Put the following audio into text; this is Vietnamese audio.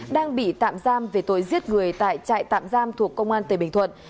đang bị tạm giam về tội giết người tại trại tạm giam thuộc công an tỉnh bình thuận